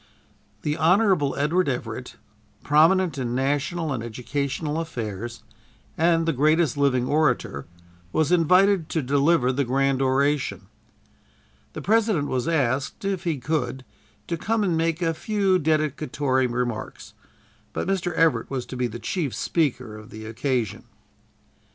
The Hon. Edward Everett, prominent in national and educational affairs, and the greatest living orator, was invited to deliver the grand oration. The President was asked, if he could, to come and make a few dedicatory remarks, but Mr. Everett was to be the chief speaker of the occasion.